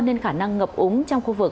nên khả năng ngập úng trong khu vực